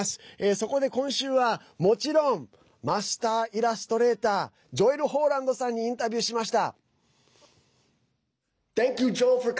そこで今週は、もちろんマスターイラストレータージョエル・ホーランドさんにインタビューしました。